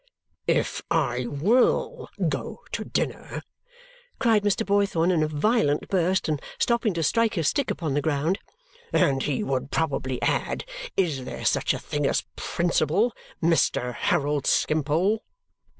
" if I WILL go to dinner!" cried Mr. Boythorn in a violent burst and stopping to strike his stick upon the ground. "And he would probably add, 'Is there such a thing as principle, Mr. Harold Skimpole?'"